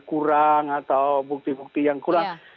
kurang atau bukti bukti yang kurang